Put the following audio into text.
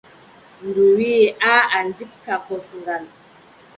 Ndu wiiʼa: aaʼa ndikka kosngal.